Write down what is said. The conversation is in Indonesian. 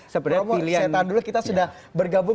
sebenarnya saya tahan dulu kita sudah bergabung